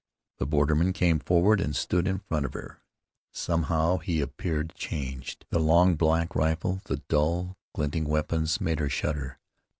The borderman came forward and stood in front of her. Somehow he appeared changed. The long, black rifle, the dull, glinting weapons made her shudder.